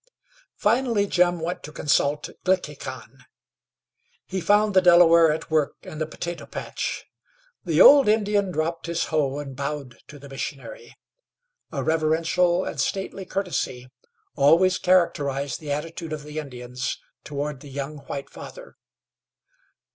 Finally Jim went to consult Glickhican. He found the Delaware at work in the potato patch. The old Indian dropped his hoe and bowed to the missionary. A reverential and stately courtesy always characterized the attitude of the Indians toward the young white father.